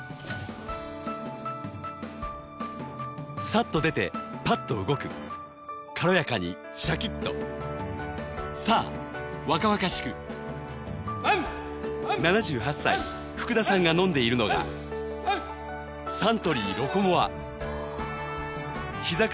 さっと出てパッと動く軽やかにシャキッと７８歳福田さんが飲んでいるのがサントリー「ロコモア」ひざ